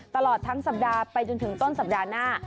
ตลอดทั้งสัปดาห์ไปจนถึงต้นสัปดาห์หน้า